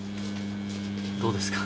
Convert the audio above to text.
どうですか？